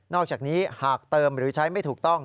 อกจากนี้หากเติมหรือใช้ไม่ถูกต้อง